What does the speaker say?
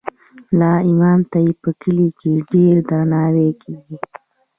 ملا امام ته په کلي کې ډیر درناوی کیږي.